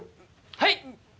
はい！